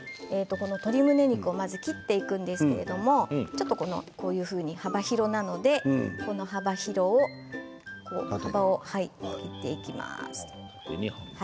鶏むね肉をまず切っていくんですけれども幅広なので幅広を縦に切っていきます。